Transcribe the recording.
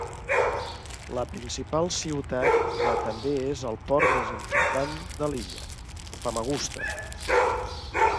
La principal ciutat de també és el port més important de l'illa, Famagusta.